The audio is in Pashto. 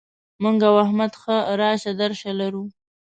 موږ او احمد ښه راشه درشه لرو.